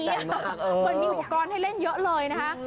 เหมือนมีอุปกรณ์ให้เล่นเยอะเลยนะคะ